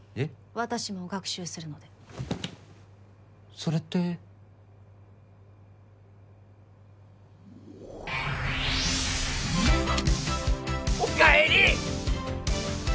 私も学習するのでそれっておかえり！